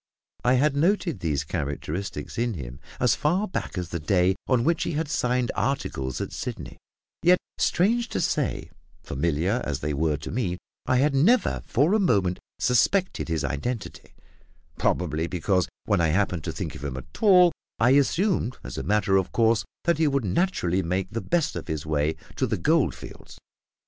I had noted these characteristics in him as far back as the day on which he had signed articles at Sydney; yet, strange to say, familiar as they were to me, I had never for a moment suspected his identity, probably because, when I happened to think of him at all, I assumed as a matter of course that he would naturally make the best of his way to the gold fields.